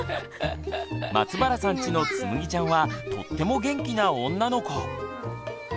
松原さんちのつむぎちゃんはとっても元気な女の子。